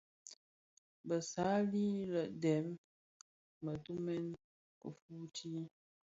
Bësali dèm bëtumèn kifuuti.